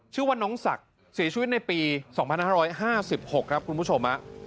ชื่อว่าน้องศักดิ์เสียชีวิตในปี๒๕๕๖ครับคุณผู้ชม